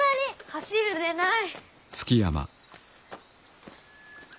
走るでない。